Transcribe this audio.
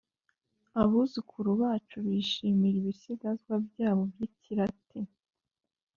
abuzukuru bacu bishimira ibisigazwa byabo by'ikilatini,